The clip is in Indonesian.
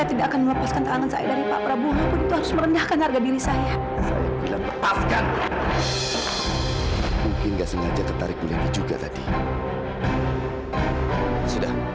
ini kok gak ada sih